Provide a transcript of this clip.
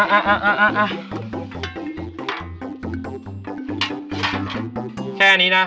แค่อันนี้นะ